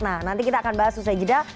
nah nanti kita akan bahas usai jeda